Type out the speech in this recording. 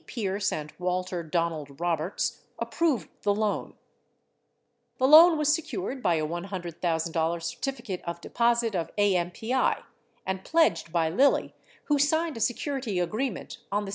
Pierce and Walter Donald Roberts, approved the loan. 10 The loan was secured by a $100,000 certificate of deposit of AMPI and pledged by Lilly who signed a security agreement on the 17th.